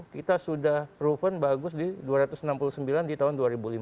kita sudah proven bagus di dua ratus enam puluh sembilan di tahun dua ribu lima belas